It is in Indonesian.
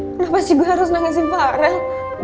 kenapa sih gue harus nangisin barang